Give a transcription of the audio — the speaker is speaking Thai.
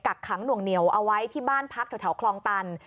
กักขังหน่วงเหนียวเอาไว้ที่บ้านพักแถวคลองตัน